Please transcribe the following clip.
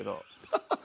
ハハハ！